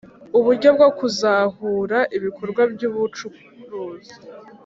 uburyo bwo kuzahura ibikorwa by’ubucuruzi